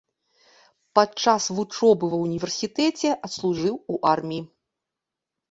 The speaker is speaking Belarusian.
Падчас вучобы ва ўніверсітэце адслужыў у арміі.